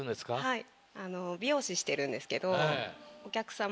はい。